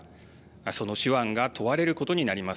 その手腕が問われることになります。